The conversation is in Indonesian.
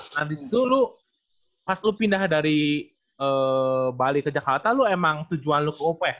nah disitu lu pas lu pindah dari bali ke jakarta lu emang tujuan lo kok